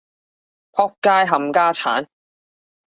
僕街冚家鏟